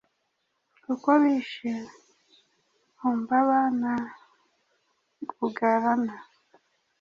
kuko bishe Humbaba na Gugalanna